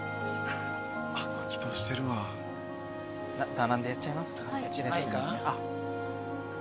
並んでやっちゃいますか一列に。